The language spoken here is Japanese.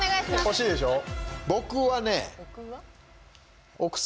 欲しいでしょ。